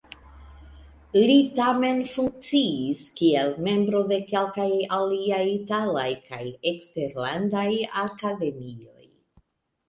Li tamen funkciis kiel membro de kelkaj aliaj italaj kaj eksterlandaj akademioj.